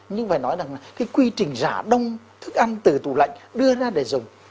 nhưng phải nói rằng là cái quy trình giả đông thức ăn từ tủ lạnh đưa ra để dùng